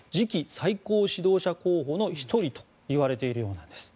最高指導者候補の１人といわれているようなんです。